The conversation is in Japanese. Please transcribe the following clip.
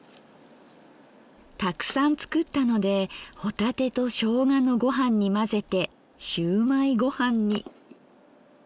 たくさん作ったので帆立てとしょうがのごはんに混ぜてしゅうまいごはんに。